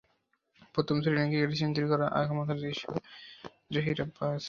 প্রথম শ্রেণির ক্রিকেটে সেঞ্চুরির সেঞ্চুরি করা একমাত্র এশীয় ব্যাটসম্যানও জহির আব্বাস।